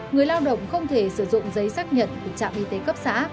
người lao động không thể sử dụng giấy xác nhận của trạm y tế cấp xã